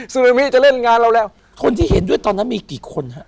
ซึ่งเอมมี่จะเล่นงานเราแล้วคนที่เห็นด้วยตอนนั้นมีกี่คนฮะ